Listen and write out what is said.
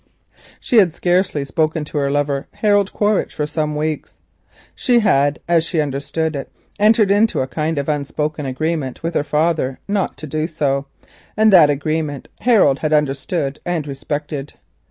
She had scarcely spoken to her lover, Harold Quaritch, for some weeks. She had as she understood it entered into a kind of unspoken agreement with her father not to do so, and that agreement Harold had realised and respected.